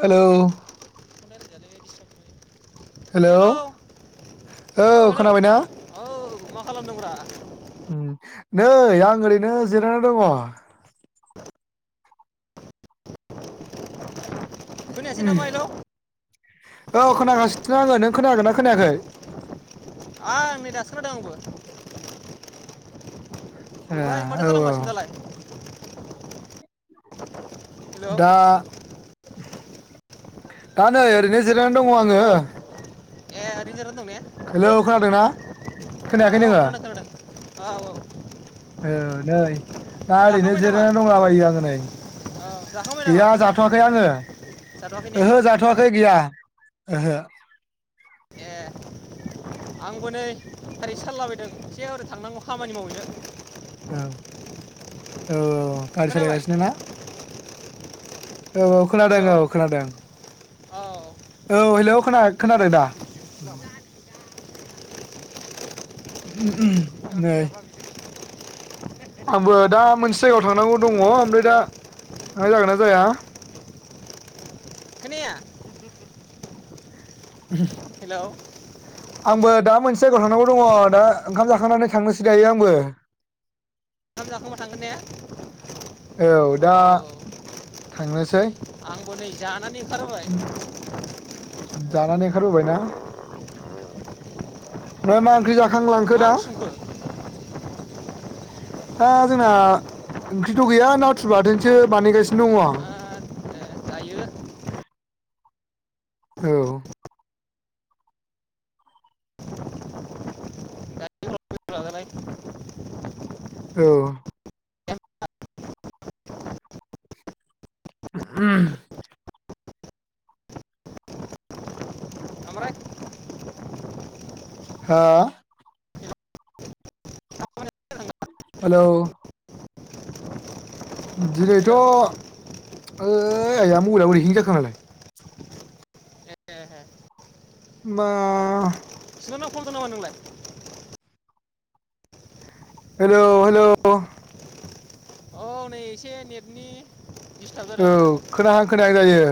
Hello hello औ औ hello. खोनाबायना औ, मा खालामदोंब्रा? उम नै आं ओरैनो जिरायनानै दङ। खोनायासै उम, नामा हेलौ औ खोनागासिनो आङो नों खोनागोनना खोनायाखै? आं नै दासो खोनादों आंबो। ए ओमफ्राय, माथो औ औ खालामगासिनो दालाय? हेलौ दा, दा नै ओरैनो जिरायनानै दङ आङो। हेलौ ए एरैनो जिरायना दं ने? हेलौ- खोनादोंना खोनायाखै औ नोङो? खोनादों औ औ। ओ नै दा ओरैनो जाखांबाय नामा जिरायना दंलाबायो आङो नै। औ जाखांबाय नामा गैया जाथ'वाखै आङो जाथ'वाखै ने ओहो जाथ'वाखै गैया ओहो। ए। आंबो नै ओरै सालायलाबायदों एसे ओरै थांनांगौ खामानि मावैनो। औ औ औ गारि सालाय खोनाबाय गासिनो ना? औ औ हेलौ खोनादों औ खोनादों। औ औ हेलौ खोना-खोनादों दा? ओम [unintelligible] नै आंबो दा मोनसे जायगायाव थांनांगौ दङ ओमफ्राय दा हेलौ थांनाय जागोन ना जाया। खोनाया? [unintelligible] हेलौ। आंबो दा मोनसे जायगायाव थांनांगौ दङ दा ओंखाम जाखांनानै थांनोसै दायो आंबो ओंखाम जाखांबा थांगोन ने? [unintelligible] औ दा थांनोसै आंबो नै जानानै ओंखारबोबाय। जानानै ओंखारबोबायना [unintelligible] मा ओंख्रि जा थांलांखो दा मां सोमखो दा जोंना ओंख्रिथ' गैया नाथुर बाथोनसो बानायगासिनो दङ। [unintelligible] औ दायो [unintelligible] औ [unintelligible] आमफ्राय हा? हेलौ दिनैथ' हेल' ओ आइया मबेला बोरै हेंग जाखो आंनालाय [unintelligible] मा [unintelligible] हेलौ हेलौ औ नै एसे नेटनि डिस्टार्ब जादों औ आंना खोनाहां खोनाहां जायो।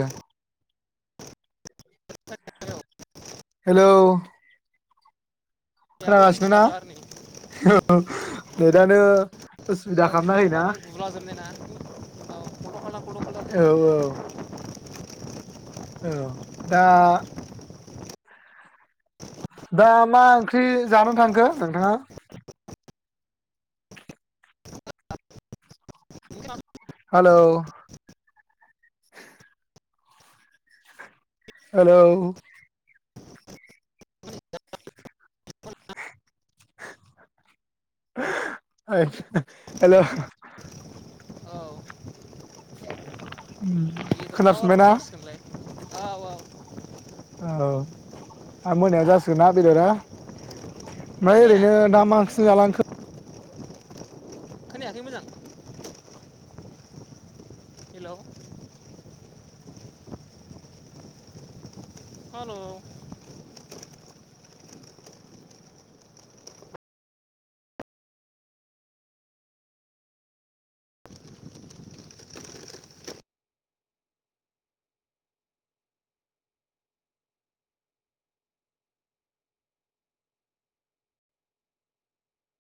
हेलौ औयाबो एसे खोनागासिनो ना डिस्टार्बथार नै [unintelligible] नेतानो औ सर'बानो गुला जोबनाय ना औ खल' खाला खल' खाला औ [unintelligible] औ दा दा मा ओंख्रि जानानै थांखो नोंथाङा? [unintelligible] हेलौ हेलौ [unintelligible] औ ओम बेदरा खोना दा बारावसो फिनबायना? जासिगोनलाय औ औ औ दा मोनायाव जा जोंना बेदरा ओमफ्राय खोनाया ओरैनो दा मा ओंख्रिजों जालांखो? खोनायाखै मोजां? Hello hello